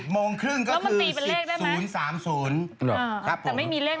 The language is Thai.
๑๐โมงครึ่งก็คือ๑๐๐๓๐